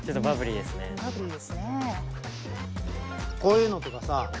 こういうのとかさ